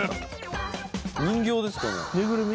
人形ですかね？